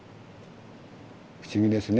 不思議ですね